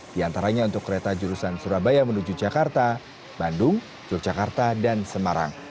di antaranya untuk kereta jurusan surabaya menuju jakarta bandung yogyakarta dan semarang